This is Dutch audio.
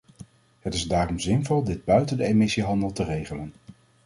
Het is daarom zinvol dit buiten de emissiehandel te regelen.